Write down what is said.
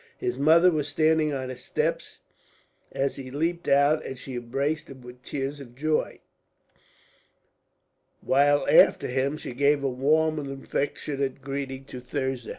His mother was standing on the steps as he leapt out, and she embraced him with tears of joy; while after him she gave a warm and affectionate greeting to Thirza.